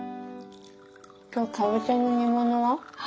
今日かぼちゃの煮物は？